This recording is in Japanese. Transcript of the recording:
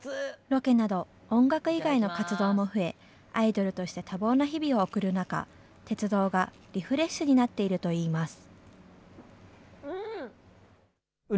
ロケなど音楽以外の活動も増え、アイドルとして多忙な日々を送る中、鉄道がリフレッシュになっているといいます。